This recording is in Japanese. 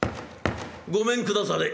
「ごめんくだされ。